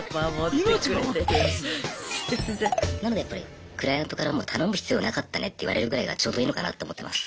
なのでクライアントから「頼む必要なかったね」って言われるぐらいがちょうどいいのかなと思ってます。